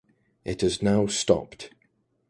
It has now stopped.